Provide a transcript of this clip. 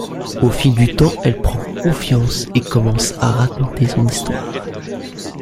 Au fil du temps elle prend confiance et commence à raconter son histoire.